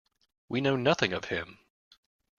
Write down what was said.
We know nothing of him.